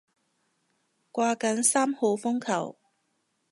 掛緊三號風球